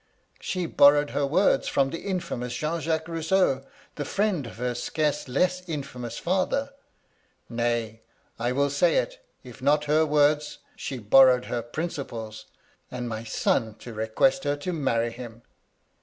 She borrowed her words from the infamous Jean Jacques Rousseau, the friend of her scarce less infamous father, — nay I I will say it,— if not her words, she borrowed her prindples. And my son to request her to marry him!'